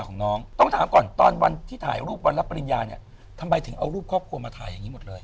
ของน้องต้องถามก่อนตอนวันที่ถ่ายรูปวันรับปริญญาเนี่ยทำไมถึงเอารูปครอบครัวมาถ่ายอย่างนี้หมดเลย